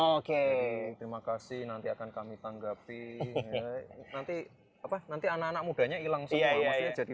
oke terima kasih nanti akan kami tanggapi nanti apa nanti anak anak mudanya hilang semua maksudnya jadi